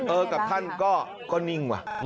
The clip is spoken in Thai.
กับท่านก็นิ่งว่ะ